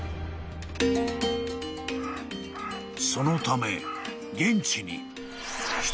［そのため現地に］